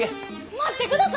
待ってください！